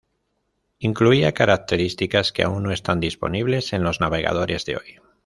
Incluía características que aún no están disponibles en los navegadores de hoy.